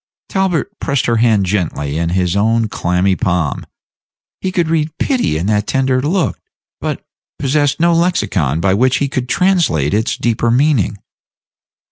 Talbot pressed her hand gently in his own clammy palm. He could read pity in that tender look, but possessed no lexicon by which he could translate its deeper meaning.